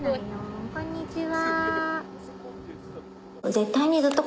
こんにちは。